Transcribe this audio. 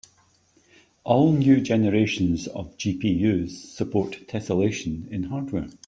All new generations of GPUs support tesselation in hardware.